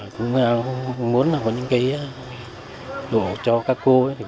không muốn có những đồ cho các cô